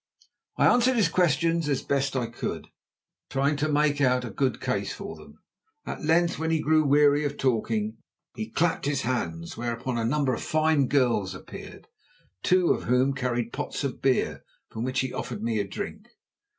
I answered his questions as best I could, trying to make out a good case for them. At length, when he grew weary of talking, he clapped his hands, whereon a number of fine girls appeared, two of whom carried pots of beer, from which he offered me drink.